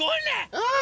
うん！